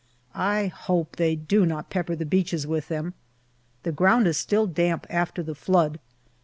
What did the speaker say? I hope they do not pepper the beaches with them. The ground is still damp after the flood.